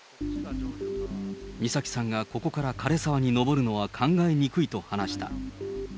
美咲さんがここから枯れ沢に登るのは考えにくいと話した。